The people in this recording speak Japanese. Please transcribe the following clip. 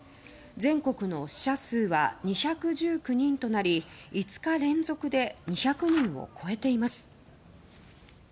全国の死者数は２１９人となり５日連続で２００人を超えています。